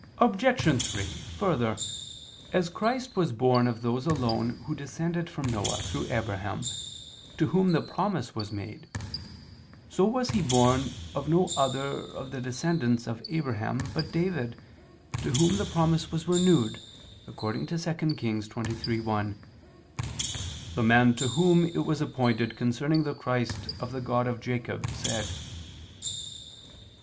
Obj. 3: Further, as Christ was born of those alone who descended from Noe through Abraham, to whom the promise was made; so was He born of no other of the descendants of Abraham but David, to whom the promise was renewed, according to 2 Kings 23:1: "The man to whom it was appointed concerning the Christ of the God of Jacob ... said."